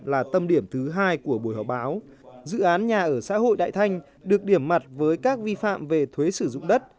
là tâm điểm thứ hai của buổi họp báo dự án nhà ở xã hội đại thanh được điểm mặt với các vi phạm về thuế sử dụng đất